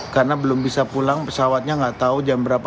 karena belum bisa pulang pesawatnya gak tau jam berapa